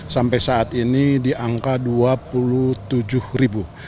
sampai saat ini di angka dua puluh tujuh ribu